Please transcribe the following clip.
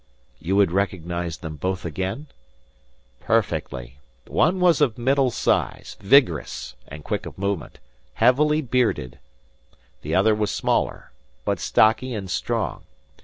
"You would recognize them both again?" "Perfectly. One was of middle size, vigorous, and quick of movement, heavily bearded. The other was smaller, but stocky and strong.